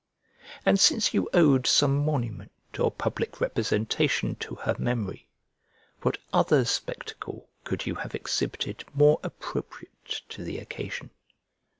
And since you owed some monument or public representation to her memory, what other spectacle could you have exhibited more appropriate to the occasion?